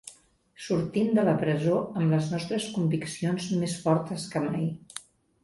Sortim de la presó amb les nostres conviccions més fortes que mai.